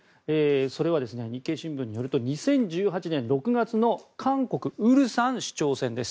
それは日経新聞によると２０１８年６月の韓国・蔚山市長選です。